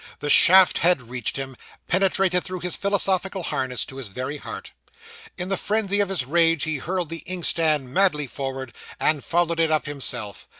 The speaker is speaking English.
The shaft had reached him, penetrated through his philosophical harness, to his very heart. In the frenzy of his rage, he hurled the inkstand madly forward, and followed it up himself.